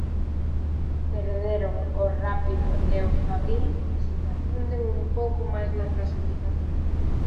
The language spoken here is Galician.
Perderon o Rápido e o Fabril que se afunden un pouco máis na clasificación.